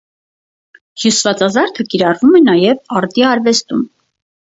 Հյուսվածազարդը կիրառվում է նաև արդի արվեստում։